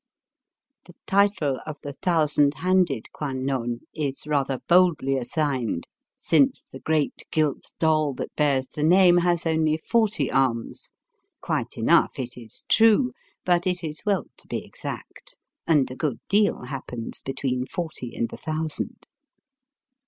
The title of the Thousand Handed Kwan non is rather boldly assigned, since the great gilt doll that bears the name has only forty arms — quite enough, it is true, but it is well to be exact, and a good deal happens between forty and a thousand.